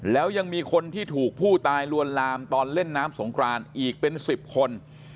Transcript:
แล้วยังมีคนที่ถูกผู้ตายลวนลามตอนเล่นน้ำสงครานอีกเป็น๑๐คน